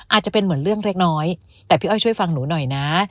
อาจจะเป็นเหมือนเรื่องเล็กน้อยแต่พี่อ้อยช่วยฟังหนูหน่อยนะ